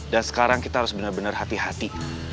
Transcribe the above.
dan sekarang kita harus bener bener hati hati